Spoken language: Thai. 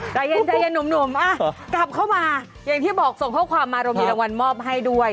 ใจเย็นใจเย็นหนุ่มกลับเข้ามาอย่างที่บอกส่งข้อความมาเรามีรางวัลมอบให้ด้วย